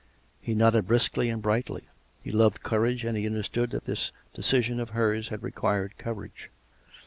He nodded briskly and brightly. He loved courage, and he understood that this decision of hers had required courage.